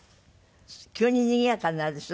急ににぎやかになるでしょ？